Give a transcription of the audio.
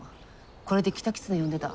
これでキタキツネ呼んでた。